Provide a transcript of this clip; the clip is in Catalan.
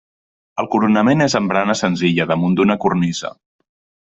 El coronament és amb barana senzilla, damunt d'una cornisa.